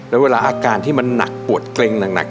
แล้วเวลาอาการที่มันหนักปวดเกร็งหนัก